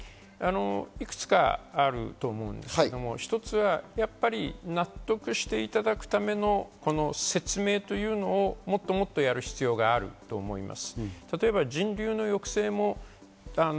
いくつかあると思うんですけど、一つは納得していただくための説明というのをもっとやる必要があると思います。